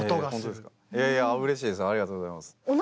いやいやうれしいですありがとうございます。